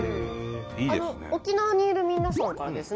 沖縄にいる皆さんからですね